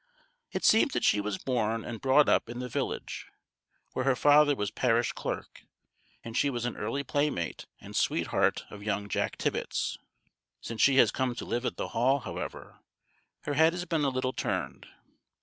It seems that she was born and brought up in the village, where her father was parish clerk, and she was an early playmate and sweetheart of young Jack Tibbets. Since she has come to live at the Hall, however, her head has been a little turned.